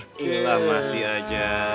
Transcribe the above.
gila masih aja